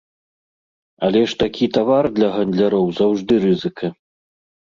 Але ж такі тавар для гандляроў заўжды рызыка.